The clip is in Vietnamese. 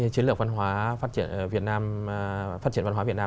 chiến lược phát triển văn hóa việt nam